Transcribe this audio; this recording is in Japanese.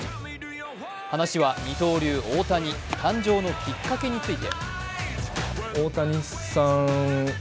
話は二刀流・大谷誕生のきっかけについて。